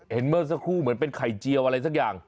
เมื่อสักครู่เหมือนเป็นไข่เจียวอะไรสักอย่าง